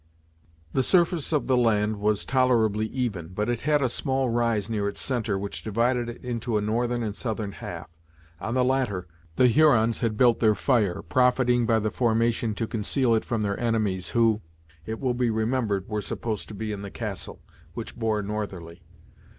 The surface of the land was tolerably even, but it had a small rise near its centre, which divided it into a northern and southern half. On the latter, the Hurons had built their fire, profiting by the formation to conceal it from their enemies, who, it will be remembered, were supposed to be in the castle, which bore northerly.